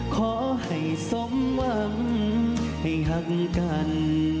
ขอให้สมหวังให้หักกัน